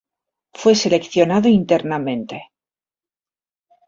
Fue seleccionado internamente.